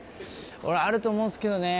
俺あると思うんですけどね。